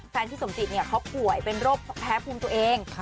พี่สมจิตเขาป่วยเป็นโรคแพ้ภูมิตัวเอง